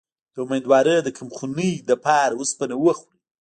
د امیدوارۍ د کمخونی لپاره اوسپنه وخورئ